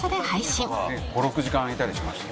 ５６時間いたりしました。